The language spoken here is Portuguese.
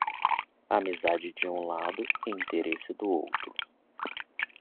Amizade de um lado e interesse do outro.